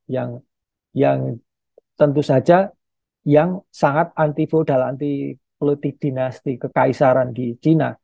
yang tentu saja yang sangat anti vodal anti politik dinasti kekaisaran di cina